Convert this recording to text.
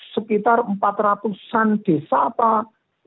sekitar empat ratus an desa pak